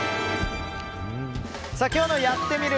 今日の「やってみる。」。